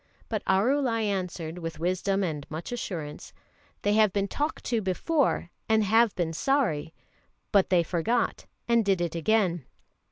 But Arulai answered with wisdom and much assurance: "They have been talked to before and have been sorry, but they forgot and did it again.